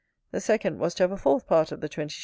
The second was to have a fourth part of the 20s.